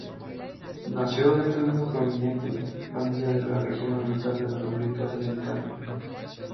Nació dentro de una prominente familia de la región oriental de República Dominicana.